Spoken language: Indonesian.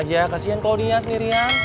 jangan kejarin claudia sendiri ya